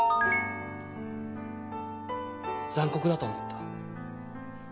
残酷だと思った。